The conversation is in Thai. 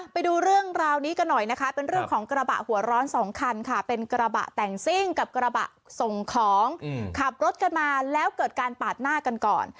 ไปดูเรื่องราวนี้กันหน่อยนะคะเป็นเรื่องของกระบะหัวร้อนสองคันค่ะเป็นกระบะแต่งซิ่งกับกระบะส่งของขับรถกันมาแล้วเกิดการปาดหน้ากันก่อน